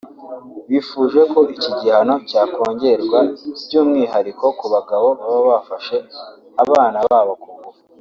bifuje ko iki gihano cyakongerwa by’umwihariko ku bagabo baba bafashe abana babo ku ngufu